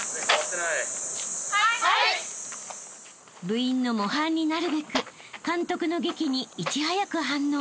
［部員の模範になるべく監督のげきにいち早く反応］